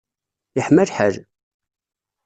Yeḥma lḥal.